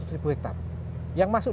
tiga ratus ribu hektare yang masuk